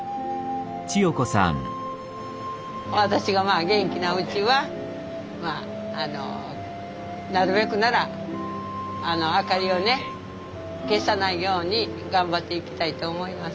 私がまあ元気なうちはなるべくなら明かりをね消さないように頑張っていきたいと思います。